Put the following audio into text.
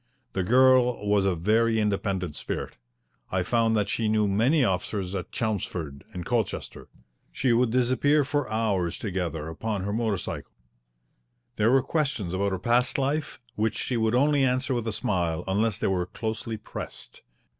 The girl was of a very independent spirit. I found that she knew many officers at Chelmsford and Colchester. She would disappear for hours together upon her motor cycle. There were questions about her past life which she would only answer with a smile unless they were closely pressed.